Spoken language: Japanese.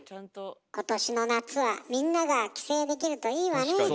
今年の夏はみんなが帰省できるといいわね。